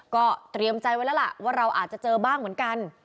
ก็เตรียมใจไว้แล้วล่ะว่าเราอาจจะเจอบ้างเหมือนกัน